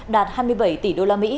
đạt hai mươi bảy tỷ usd